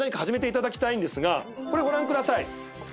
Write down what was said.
これご覧ください。